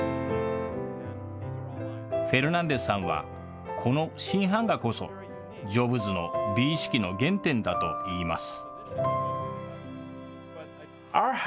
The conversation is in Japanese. フェルナンデスさんは、この新版画こそ、ジョブズの美意識の原点だといいます。